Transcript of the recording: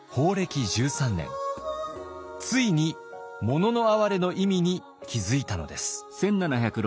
ついに「もののあはれ」の意味に気付いたのです。